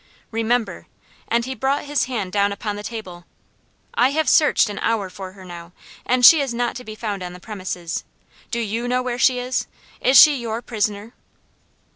Remember!" and he brought his hand down upon the table. "I have searched an hour for her now, and she is not to be found on the premises. Do YOU know where she is? Is she YOUR prisoner?"